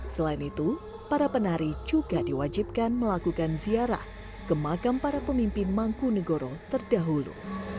selain itu para penari juga diwajibkan melakukan ziarah ke makam para pemimpin mangku negoro terdahulu